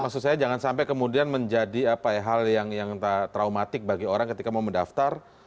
maksud saya jangan sampai kemudian menjadi hal yang traumatik bagi orang ketika mau mendaftar